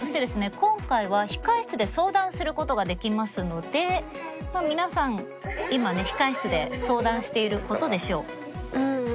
今回は控え室で相談することができますので皆さん今ね控え室で相談していることでしょう。